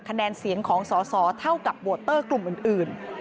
คะแนนเสียงของสอสอเท่ากับโวเตอร์กลุ่มอื่น